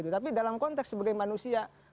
tapi dalam konteks sebagai manusia